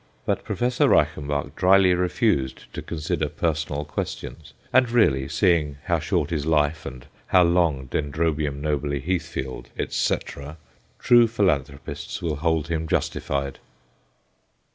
But Professor Reichenbach drily refused to consider personal questions; and really, seeing how short is life, and how long Dendrobium nobile Heathfield, &c., true philanthropists will hold him justified.